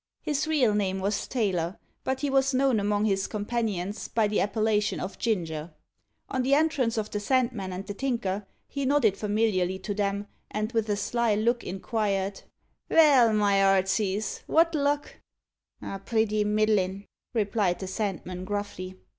His real name was Taylor, but he was known among his companions by the appellation of Ginger. On the entrance of the Sandman and the Tinker, he nodded familiarly to them, and with a sly look inquired "Vell, my 'arties wot luck?" "Oh, pretty middlin'," replied the Sandman gruffly.